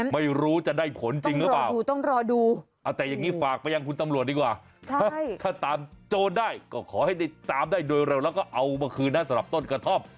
ไม่รู้จะได้ผลจริงหรือเปล่าต้องรอดูเอาแต่อย่างนี้ฝากไปยังคุณตำรวจดีกว่าถ้าตามโจรได้ก็ขอให้ได้ตามได้โดยเร็วแล้วก็เอามาคืนนะสำหรับต้นกระท่อม